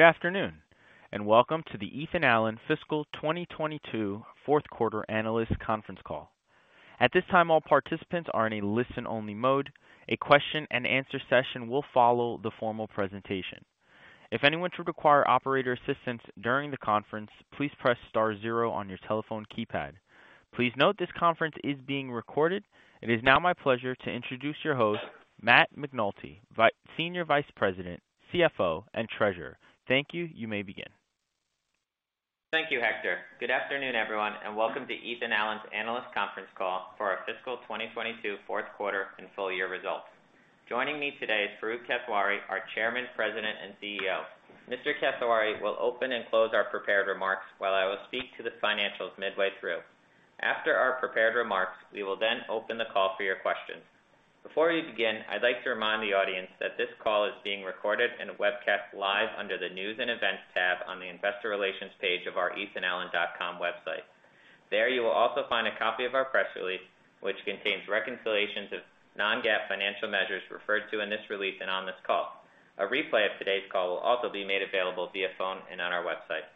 Good afternoon, and welcome to the Ethan Allen Fiscal 2022 Fourth Quarter Analyst Conference Call. At this time, all participants are in a listen-only mode. A question-and-answer session will follow the formal presentation. If anyone should require operator assistance during the conference, please press star zero on your telephone keypad. Please note this conference is being recorded. It is now my pleasure to introduce your host, Matt McNulty, Senior Vice President, CFO, and Treasurer. Thank you. You may begin. Thank you, Hector. Good afternoon, everyone, and welcome to Ethan Allen's analyst conference call for our fiscal 2022 fourth quarter and full year results. Joining me today is Farooq Kathwari, our chairman, president, and CEO. Mr. Kathwari will open and close our prepared remarks, while I will speak to the financials midway through. After our prepared remarks, we will then open the call for your questions. Before we begin, I'd like to remind the audience that this call is being recorded and webcast live under the News and Events tab on the Investor Relations page of our ethanallen.com website. There, you will also find a copy of our press release, which contains reconciliations of non-GAAP financial measures referred to in this release and on this call. A replay of today's call will also be made available via phone and on our website.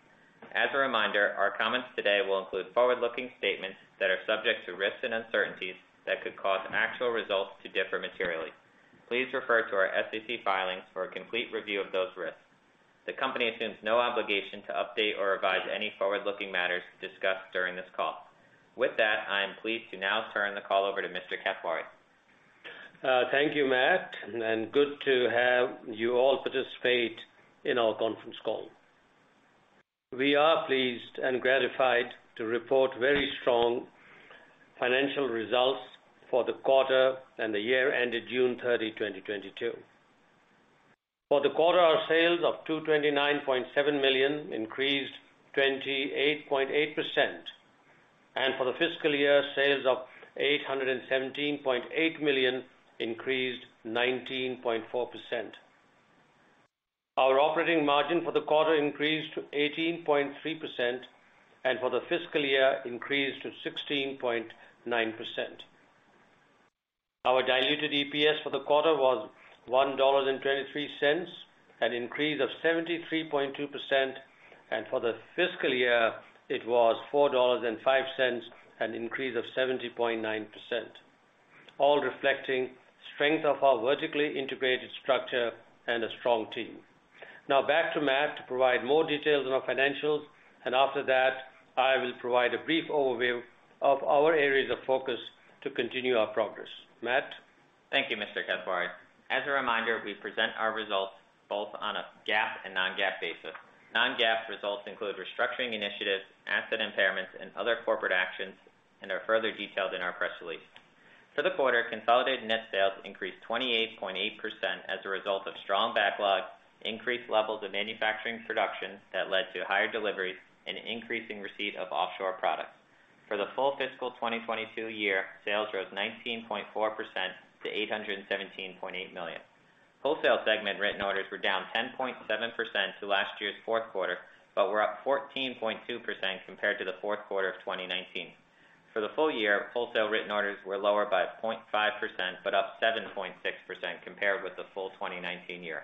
As a reminder, our comments today will include forward-looking statements that are subject to risks and uncertainties that could cause actual results to differ materially. Please refer to our SEC filings for a complete review of those risks. The company assumes no obligation to update or revise any forward-looking matters discussed during this call. With that, I am pleased to now turn the call over to Mr. Kathwari. Thank you, Matt, and good to have you all participate in our conference call. We are pleased and gratified to report very strong financial results for the quarter and the year ended June 30, 2022. For the quarter, our sales of $229.7 million increased 28.8%, and for the fiscal year, sales of $817.8 million increased 19.4%. Our operating margin for the quarter increased to 18.3% and for the fiscal year increased to 16.9%. Our diluted EPS for the quarter was $1.23, an increase of 73.2%, and for the fiscal year, it was $4.05, an increase of 70.9%, all reflecting strength of our vertically integrated structure and a strong team. Now back to Matt to provide more details on our financials. After that, I will provide a brief overview of our areas of focus to continue our progress. Matt? Thank you, Mr. Kathwari. As a reminder, we present our results both on a GAAP and non-GAAP basis. Non-GAAP results include restructuring initiatives, asset impairments, and other corporate actions, and are further detailed in our press release. For the quarter, consolidated net sales increased 28.8% as a result of strong backlogs, increased levels of manufacturing production that led to higher deliveries, and an increase in receipt of offshore products. For the full fiscal 2022 year, sales rose 19.4% to $817.8 million. Wholesale segment written orders were down 10.7% from last year's fourth quarter, but were up 14.2% compared to the fourth quarter of 2019. For the full year, wholesale written orders were lower by 0.5%, but up 7.6% compared with the full 2019 year.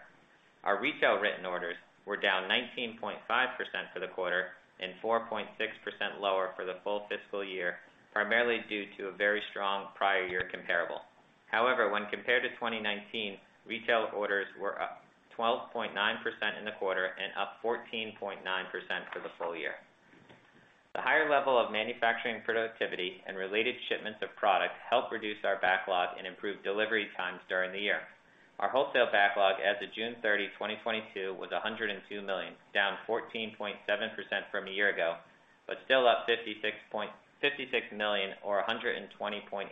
Our retail written orders were down 19.5% for the quarter and 4.6% lower for the full fiscal year, primarily due to a very strong prior year comparable. However, when compared to 2019, retail orders were up 12.9% in the quarter and up 14.9% for the full year. The higher level of manufacturing productivity and related shipments of products helped reduce our backlog and improve delivery times during the year. Our wholesale backlog as of June 30, 2022 was $102 million, down 14.7% from a year ago, but still up $56 million or 120.8%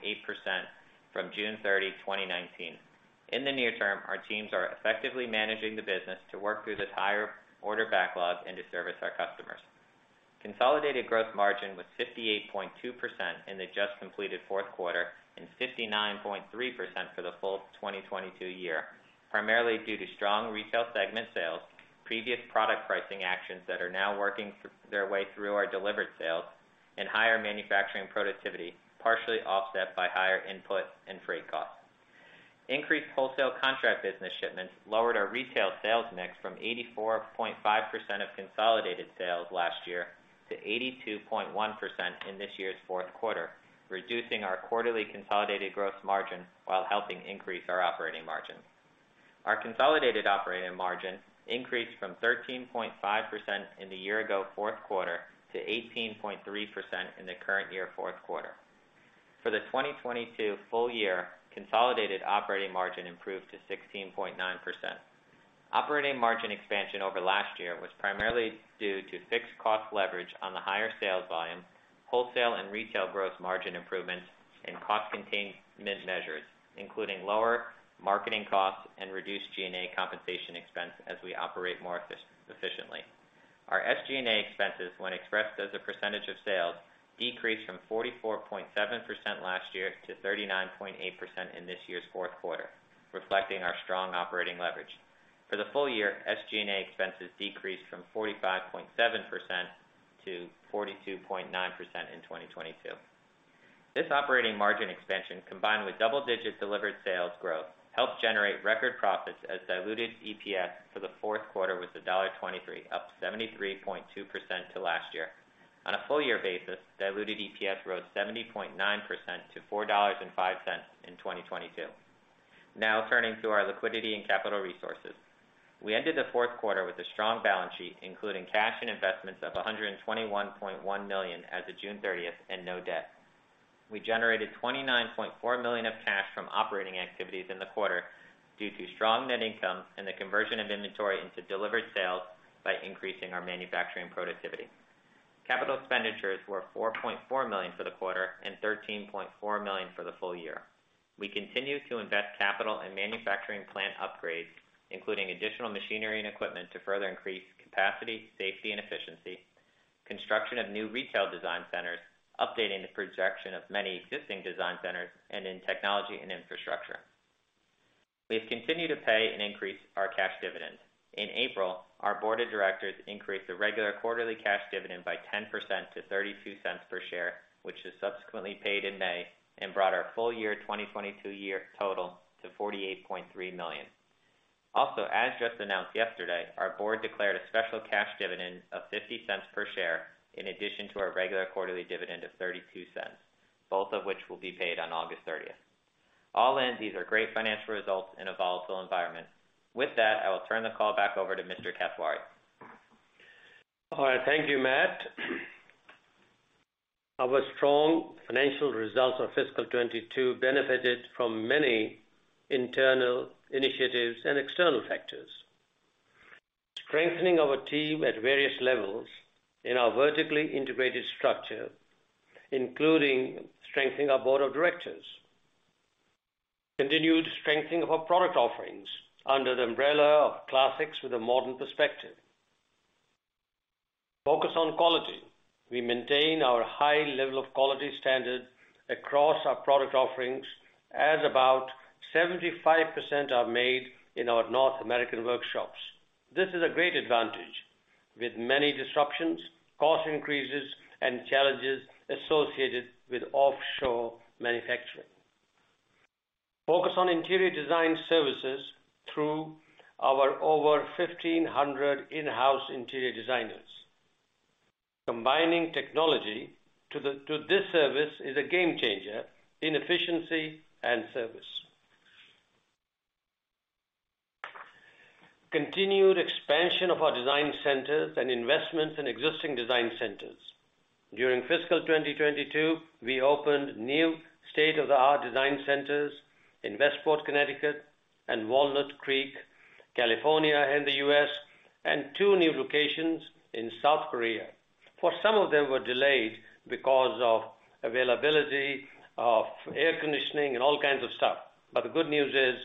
from June 30, 2019. In the near term, our teams are effectively managing the business to work through this higher order backlog and to service our customers. Consolidated gross margin was 58.2% in the just completed fourth quarter and 59.3% for the full 2022 year, primarily due to strong retail segment sales, previous product pricing actions that are now working their way through our delivered sales, and higher manufacturing productivity, partially offset by higher input and freight costs. Increased wholesale contract business shipments lowered our retail sales mix from 84.5% of consolidated sales last year to 82.1% in this year's fourth quarter, reducing our quarterly consolidated gross margin while helping increase our operating margin. Our consolidated operating margin increased from 13.5% in the year ago fourth quarter to 18.3% in the current year fourth quarter. For the 2022 full year, consolidated operating margin improved to 16.9%. Operating margin expansion over last year was primarily due to fixed cost leverage on the higher sales volume, wholesale and retail gross margin improvements, and cost containment measures, including lower marketing costs and reduced G&A compensation expense as we operate more efficiently. Our SG&A expenses, when expressed as a percentage of sales, decreased from 44.7% last year to 39.8% in this year's fourth quarter, reflecting our strong operating leverage. For the full year, SG&A expenses decreased from 45.7% to 42.9% in 2022. This operating margin expansion, combined with double-digit delivered sales growth, helped generate record profits as diluted EPS for the fourth quarter was $1.23, up 73.2% to last year. On a full year basis, diluted EPS rose 70.9% to $4.05 in 2022. Now turning to our liquidity and capital resources. We ended the fourth quarter with a strong balance sheet, including cash and investments of $121.1 million as of June 30th and no debt. We generated $29.4 million of cash from operating activities in the quarter due to strong net income and the conversion of inventory into delivered sales by increasing our manufacturing productivity. Capital expenditures were $4.4 million for the quarter and $13.4 million for the full year. We continue to invest capital in manufacturing plant upgrades, including additional machinery and equipment to further increase capacity, safety and efficiency, construction of new retail design centers, updating the projection of many existing design centers, and in technology and infrastructure. We've continued to pay and increase our cash dividend. In April, our board of directors increased the regular quarterly cash dividend by 10% to $0.32 per share, which was subsequently paid in May and brought our full-year 2022 total to $48.3 million. Also, as just announced yesterday, our board declared a special cash dividend of $0.50 per share in addition to our regular quarterly dividend of $0.32, both of which will be paid on August 30th. All in, these are great financial results in a volatile environment. With that, I will turn the call back over to Mr. Kathwari. All right. Thank you, Matt. Our strong financial results for fiscal 2022 benefited from many internal initiatives and external factors. Strengthening our team at various levels in our vertically integrated structure, including strengthening our board of directors. Continued strengthening of our product offerings under the umbrella of classics with a modern perspective. Focus on quality. We maintain our high level of quality standards across our product offerings, as about 75% are made in our North American workshops. This is a great advantage with many disruptions, cost increases, and challenges associated with offshore manufacturing. Focus on interior design services through our over 1,500 in-house interior designers. Combining technology to this service is a game changer in efficiency and service. Continued expansion of our design centers and investments in existing design centers. During fiscal 2022, we opened new state-of-the-art design centers in Westport, Connecticut, and Walnut Creek, California in the U.S., and two new locations in South Korea. Of course, some of them were delayed because of availability of air conditioning and all kinds of stuff. The good news is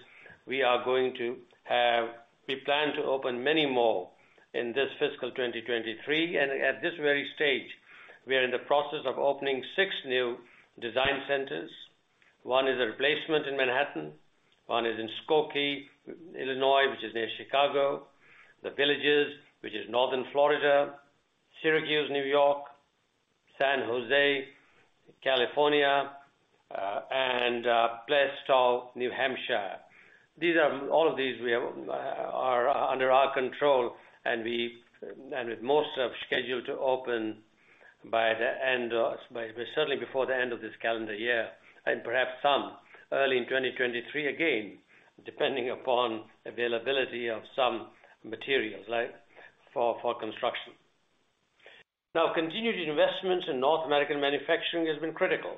we plan to open many more in this fiscal 2023. At this very stage, we are in the process of opening six new design centers. One is a replacement in Manhattan, one is in Skokie, Illinois, which is near Chicago, The Villages, which is northern Florida, Syracuse, New York, San Jose, California, and Plaistow, New Hampshire. All of these are under our control and with most of scheduled to open by the end of. By certainly before the end of this calendar year and perhaps some early in 2023, again, depending upon availability of some materials, like for construction. Continued investments in North American manufacturing has been critical.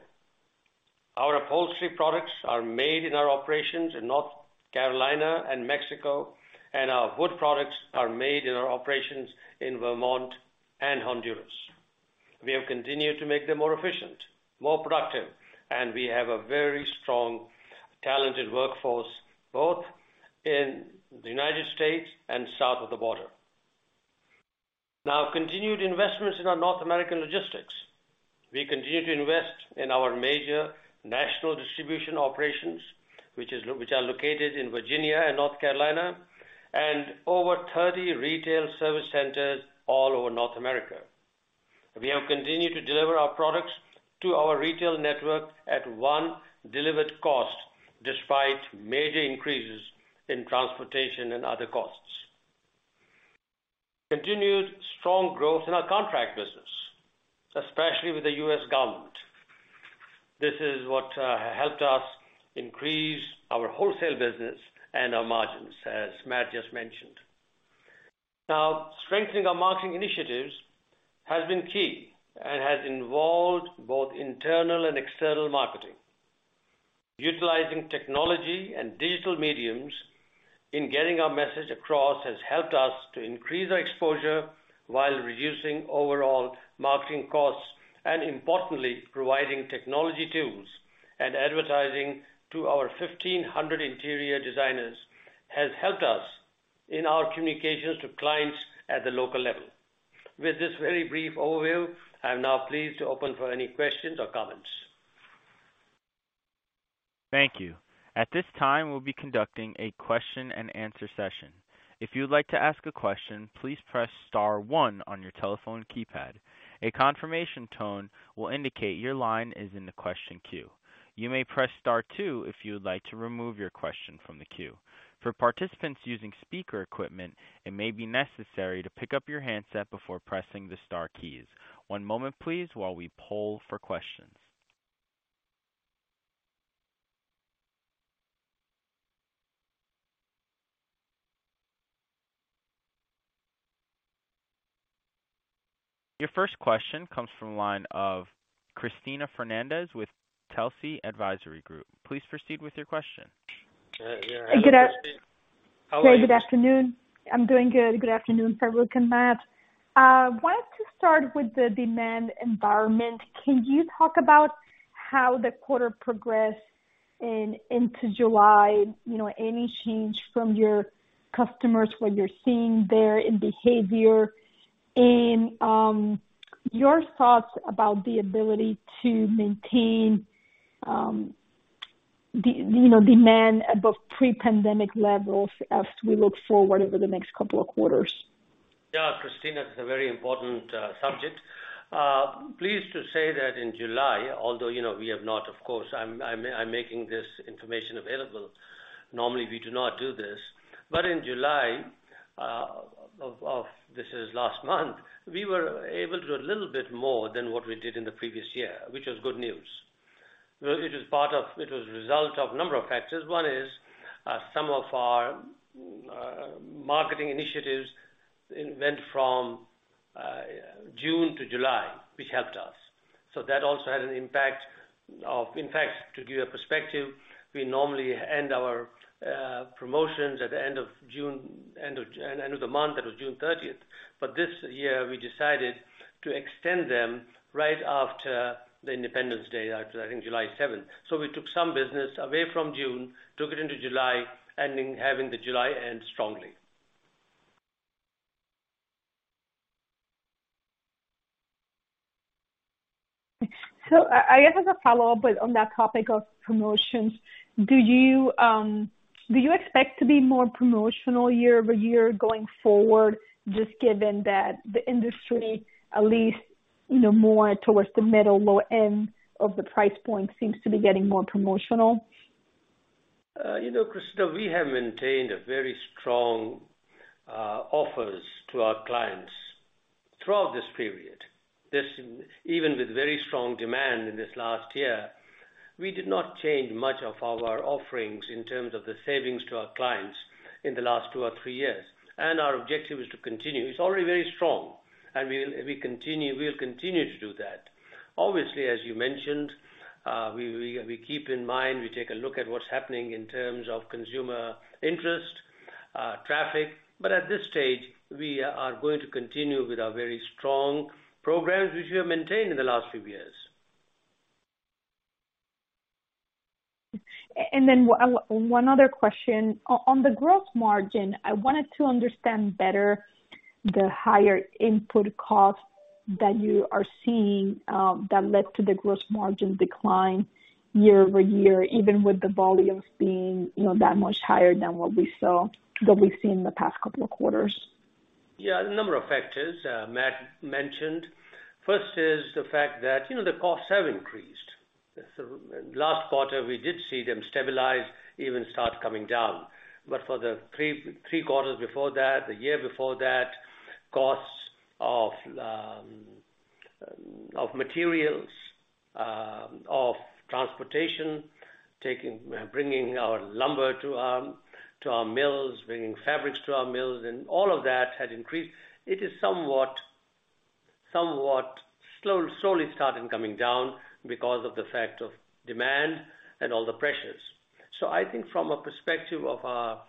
Our upholstery products are made in our operations in North Carolina and Mexico, and our wood products are made in our operations in Vermont and Honduras. We have continued to make them more efficient, more productive, and we have a very strong, talented workforce both in the United States and south of the border. Continued investments in our North American logistics. We continue to invest in our major national distribution operations, which are located in Virginia and North Carolina, and over 30 retail service centers all over North America. We have continued to deliver our products to our retail network at one delivered cost despite major increases in transportation and other costs. Continued strong growth in our contract business, especially with the U.S. government. This is what helped us increase our wholesale business and our margins, as Matt just mentioned. Now, strengthening our marketing initiatives has been key and has involved both internal and external marketing. Utilizing technology and digital mediums in getting our message across has helped us to increase our exposure while reducing overall marketing costs and importantly, providing technology tools and advertising to our 1,500 interior designers has helped us in our communications to clients at the local level. With this very brief overview, I'm now pleased to open for any questions or comments. Thank you. At this time, we'll be conducting a question and answer session. If you'd like to ask a question, please press star one on your telephone keypad. A confirmation tone will indicate your line is in the question queue. You may press star two if you would like to remove your question from the queue. For participants using speaker equipment, it may be necessary to pick up your handset before pressing the star keys. One moment please while we poll for questions. Your first question comes from the line of Cristina Fernández with Telsey Advisory Group. Please proceed with your question. Yeah, yeah. Good after. How are you? Good afternoon. I'm doing good. Good afternoon, Farooq and Matt. Wanted to start with the demand environment. Can you talk about how the quarter progressed into July? You know, any change from your customers, what you're seeing there in behavior and, your thoughts about the ability to maintain demand above pre-pandemic levels as we look forward over the next couple of quarters. Yeah, Cristina, it's a very important subject. Pleased to say that in July, although you know we have not, of course, I'm making this information available. Normally, we do not do this. In July, which is last month, we were able to do a little bit more than what we did in the previous year, which was good news. Well, it was a result of number of factors. One is some of our marketing initiatives went from June to July, which helped us. So that also had an impact of. In fact, to give you a perspective, we normally end our promotions at the end of June, end of the month, that was June 30th. This year, we decided to extend them right after the Independence Day, after, I think, July 7th. We took some business away from June, took it into July, having the July end strongly. I guess, as a follow-up on that topic of promotions, do you expect to be more promotional year over year going forward, just given that the industry, at least, you know, more towards the middle, lower end of the price point seems to be getting more promotional? You know, Cristina, we have maintained a very strong offerings to our clients throughout this period. Even with very strong demand in this last year, we did not change much of our offerings in terms of the savings to our clients in the last two or three years. Our objective is to continue. It's already very strong, and we'll continue to do that. Obviously, as you mentioned, we keep in mind, we take a look at what's happening in terms of consumer interest, traffic, but at this stage, we are going to continue with our very strong programs which we have maintained in the last few years. One other question. On the gross margin, I wanted to understand better the higher input costs that you are seeing that led to the gross margin decline year-over-year, even with the volumes being, you know, that much higher than what we've seen in the past couple of quarters. Yeah, a number of factors Matt mentioned. First is the fact that, you know, the costs have increased. Last quarter, we did see them stabilize, even start coming down. For the three quarters before that, the year before that, costs of materials, of transportation, bringing our lumber to our mills, bringing fabrics to our mills, and all of that had increased. It is somewhat slowly starting coming down because of the fact of demand and all the pressures. I think from a perspective of our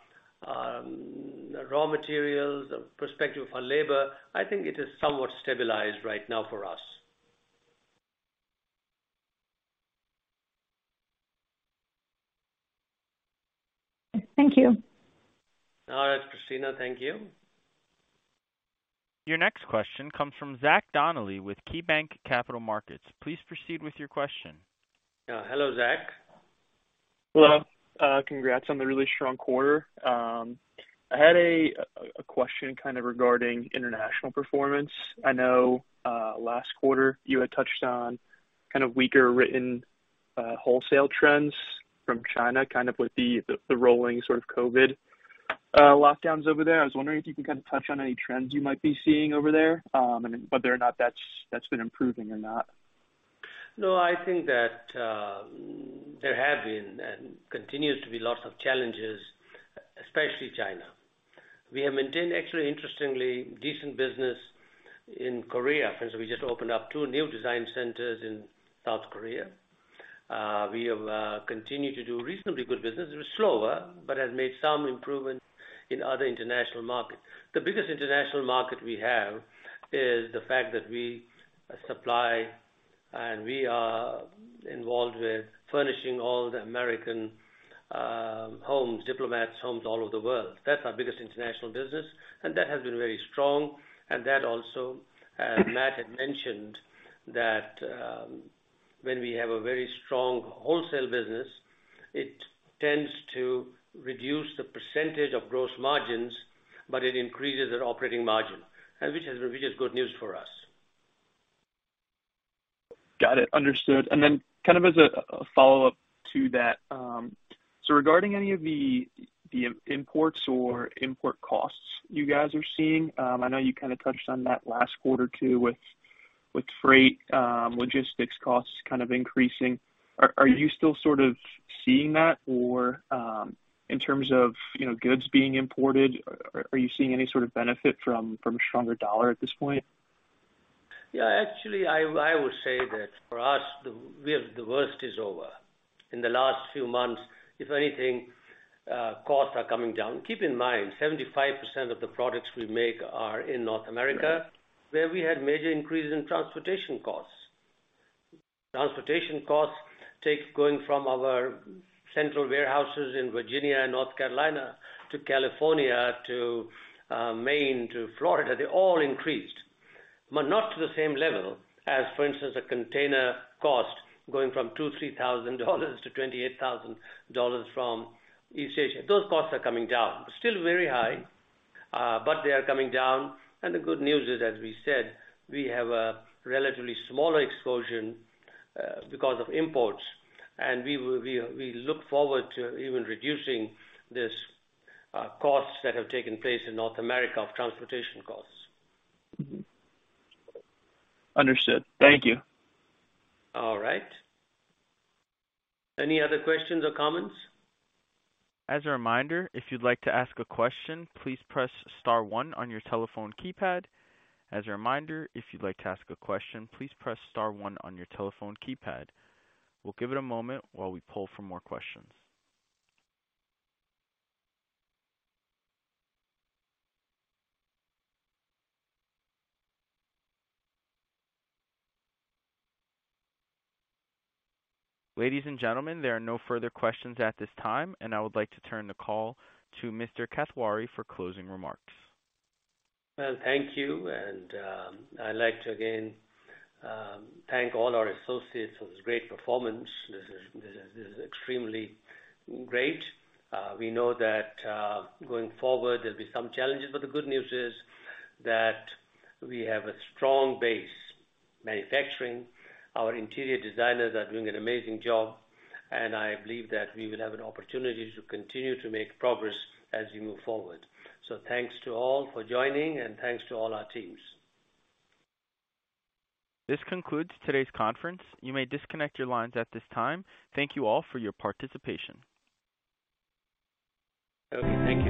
raw materials, a perspective of our labor, I think it is somewhat stabilized right now for us. Thank you. All right, Cristina. Thank you. Your next question comes from Zach Donnelly with KeyBanc Capital Markets. Please proceed with your question. Hello, Zach. Hello. Congrats on the really strong quarter. I had a question kind of regarding international performance. I know last quarter, you had touched on kind of weaker written wholesale trends from China, kind of with the rolling sort of COVID lockdowns over there. I was wondering if you can kind of touch on any trends you might be seeing over there, and whether or not that's been improving or not. No, I think that, there have been and continues to be lots of challenges, especially China. We have maintained, actually, interestingly, decent business in Korea. In fact, we just opened up two new design centers in South Korea. We have continued to do reasonably good business. It was slower, but has made some improvement in other international markets. The biggest international market we have is the fact that we supply and we are involved with furnishing all the American homes, diplomats' homes all over the world. That's our biggest international business, and that has been very strong. That also, Matt had mentioned that, when we have a very strong wholesale business, it tends to reduce the percentage of gross margins, but it increases our operating margin, which is good news for us. Got it. Understood. Kind of as a follow-up to that. Regarding any of the imports or import costs you guys are seeing, I know you kinda touched on that last quarter too with freight, logistics costs kind of increasing. Are you still sort of seeing that? In terms of, you know, goods being imported, are you seeing any sort of benefit from a stronger dollar at this point? Yeah. Actually, I would say that for us, the worst is over. In the last few months, if anything, costs are coming down. Keep in mind, 75% of the products we make are in North America, where we had major increases in transportation costs. Transportation costs going from our central warehouses in Virginia and North Carolina to California, Maine, and Florida. They all increased, but not to the same level as, for instance, a container cost going from $2,000-$3,000 to $28,000 from East Asia. Those costs are coming down. Still very high, but they are coming down. The good news is, as we said, we have a relatively smaller exposure because of imports. We look forward to even reducing these costs that have taken place in North America of transportation costs. Understood. Thank you. All right. Any other questions or comments? As a reminder, if you'd like to ask a question, please press star one on your telephone keypad. As a reminder, if you'd like to ask a question, please press star one on your telephone keypad. We'll give it a moment while we pull for more questions. Ladies and gentlemen, there are no further questions at this time, and I would like to turn the call to Mr. Kathwari for closing remarks. Well, thank you. I'd like to again thank all our associates for this great performance. This is extremely great. We know that going forward there'll be some challenges, but the good news is that we have a strong base. Manufacturing, our interior designers are doing an amazing job, and I believe that we will have an opportunity to continue to make progress as we move forward. Thanks to all for joining and thanks to all our teams. This concludes today's conference. You may disconnect your lines at this time. Thank you all for your participation. Okay, thank you.